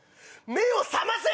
目を覚ませ！